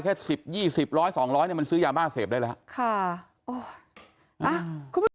แค่สิบยี่สิบร้อยสองร้อยมันซื้อยาบ้าเสพได้แล้ว